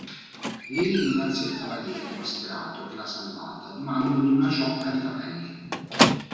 Lei ringrazia il cavaliere mascherato che l'ha salvata, donandogli una ciocca di capelli.